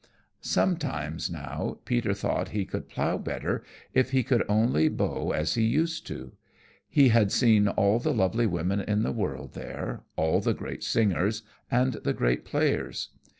Sometimes now Peter thought he could plow better if he could only bow as he used to. He had seen all the lovely women in the world there, all the great singers and the great players.